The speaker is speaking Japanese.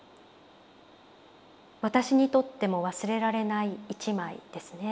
私にとっても忘れられない一枚ですね。